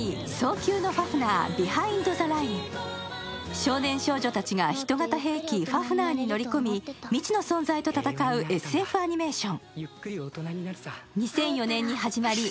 少年少女たちが人型兵器ファフナーに乗り込み未知の存在と戦うＳＦアニメーション。